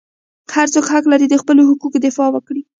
هر څوک حق لري د خپلو حقوقو دفاع وکړي.